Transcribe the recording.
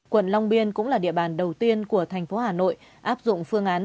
quận long biên cũng là địa bàn đầu tiên của thành phố hà nội áp dụng phương án